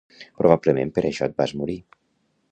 Probablement per això et vas morir.